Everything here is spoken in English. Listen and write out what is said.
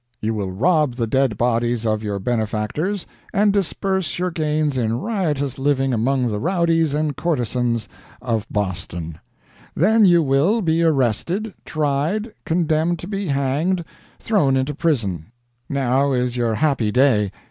You will rob the dead bodies of your benefactors, and disburse your gains in riotous living among the rowdies and courtesans of Boston. Then you will be arrested, tried, condemned to be hanged, thrown into prison. Now is your happy day.